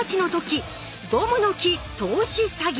「ゴムの木投資詐欺」。